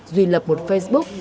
duy lập một facebook